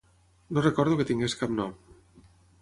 No recordo que tingués cap nom.